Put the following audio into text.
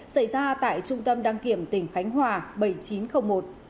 xảy ra tại trung tâm đăng kiểm tỉnh khánh hòa